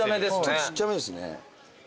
ちっちゃめですね。